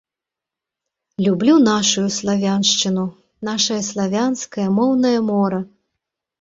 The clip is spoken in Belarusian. Люблю нашую славяншчыну, нашае славянскае моўнае мора!